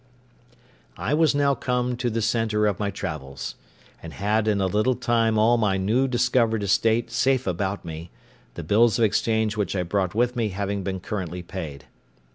I was now come to the centre of my travels, and had in a little time all my new discovered estate safe about me, the bills of exchange which I brought with me having been currently paid.